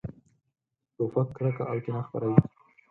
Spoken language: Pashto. توپک کرکه او کینه خپروي.